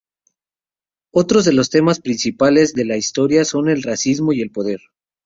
Otros de los temas principales de la historia son el racismo y el poder.